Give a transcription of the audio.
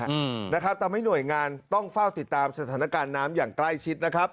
อืมนะครับทำให้หน่วยงานต้องเฝ้าติดตามสถานการณ์น้ำอย่างใกล้ชิดนะครับ